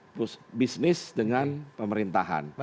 terus bisnis dengan pemerintahan